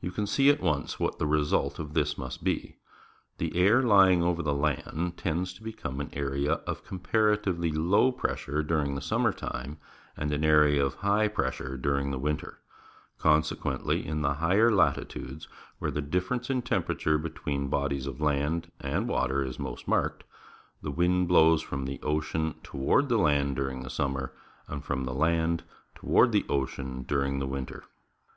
You can see at once what the result of this must be. The air h'ing over the land tends to become an area of comparatively low pressure during the summer time, and an area of high pressure during the winter. the World and the Average Rainfall Consequently, in the higher latitudes, where the difference in temperature between bodies of land and water is most marked, the wind blows from the ocean toward the land during the summer and from the land toward the ocean during the winter.